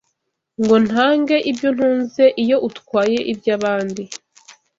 Ngo ntange ibyo ntunze Iyo utwaye iby’abandi